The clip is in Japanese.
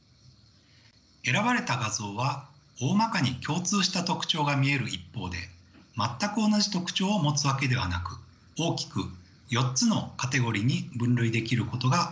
選ばれた画像はおおまかに共通した特徴が見える一方で全く同じ特徴を持つわけではなく大きく４つのカテゴリーに分類できることが分かりました。